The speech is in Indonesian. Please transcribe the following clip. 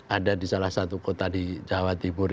ada di salah satu kota di jawa tibur